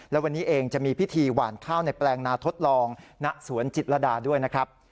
และวันนี้เองจะมีพิธีหวานข้าวในแปลงนาทดลองณสวนจิตรดาด้วยนะครับ